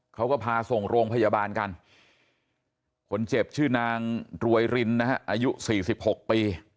เขาก็พาส่งโรงพยาบาลกันคนเจ็บชื่อนางรวยรินนะฮะอายุ๔๖ปี